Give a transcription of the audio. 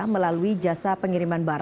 melalui jasa pengiriman bnp